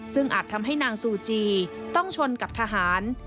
ซึ่งอาจทำให้นางซูจีต้องชนกับทหาร